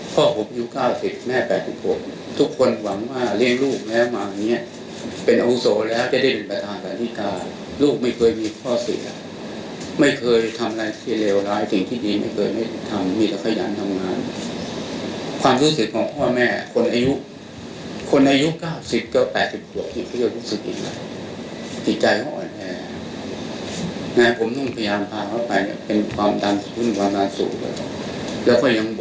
พ่อผมอายุ๙๐แม่๘๖ทุกคนหวังว่าเลี้ยงลูกแล้วมาอย่างนี้เป็นอุโสแล้วจะได้เป็นประธานการณ์ที่กายลูกไม่เคยมีข้อเสียไม่เคยทำอะไรที่เลวร้ายสิ่งที่ดีไม่เคยทำมีกระขยันทำงานความรู้สึกของพ่อแม่คนอายุ๙๐ก็๘๖ที่เขาก็รู้สึกอีกกิจัยเขาอ่อนแหงนะครับผมต้องพยายามพาเขาไปเป็นความดันขึ้นความดันสูงแล้วก็ยังบ่